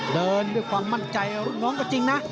เดินด้วยความมั่นใจรุ่นน้องก็จริงนะ